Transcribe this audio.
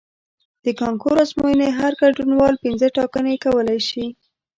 د کانکور ازموینې هر ګډونوال پنځه ټاکنې کولی شي.